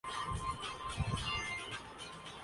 وہاں خاص طرح کی جگہیں بنائی جاتی ہیں